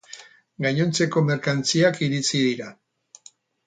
Gainontzeko merkantziak iritsi dira.